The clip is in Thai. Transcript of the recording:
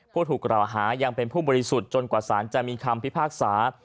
ผู้ถูกกล่าวหายังเป็นผู้บริสุทธิ์จนกว่าสารจะมีคำพิพากษา